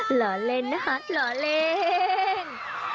หล่อเล่นนะคะหล่อเล่น